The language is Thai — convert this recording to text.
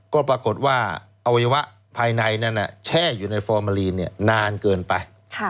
ก็ปรากฏว่าอวัยวะภายในนั้นแช่อยู่ในฟอร์มาลีนนานเกินไป